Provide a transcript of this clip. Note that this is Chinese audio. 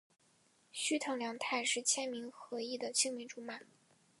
须藤良太是千明和义的青梅竹马。